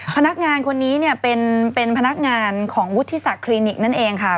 พนักงานคนนี้เนี่ยเป็นพนักงานของวุฒิศักดิ์คลินิกนั่นเองค่ะ